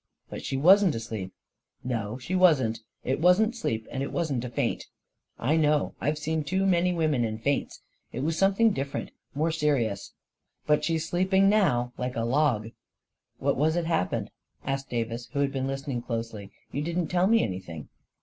" But she was asleep/' " No she wasn't — it wasn't sleep — and it wasn't a faint. I know — I've seen too many women in faints. It was something different — more serious. But she's sleeping now, like a log." " What was it happened? " asked Davis, who had been listening closely. " You didn't tell me any thing